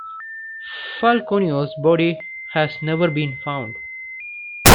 Falconio's body has never been found.